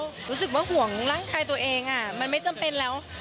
รู้สึกว่าห่วงร่างกายตัวเองมันไม่จำเป็นแล้ว